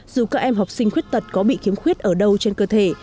dù các em học sinh khuyết tật có bị khiếm khuyết ở đâu trên cơ thể